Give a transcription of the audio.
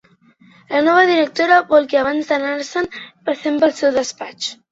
La nova directora vol que abans d’anar-se'n passem pel seu despatx.